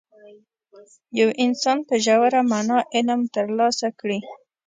یو انسان په ژوره معنا علم ترلاسه کړي.